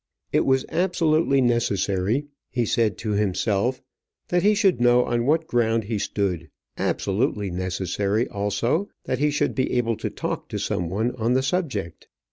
It was absolutely necessary, he said to himself, that he should know on what ground he stood; absolutely necessary, also, that he should be able to talk to some one on the subject.